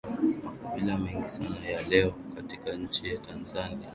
Makabila mengi sana ya leo katika nchi ya Tanzania ni wajukuu wa wahamiaji hao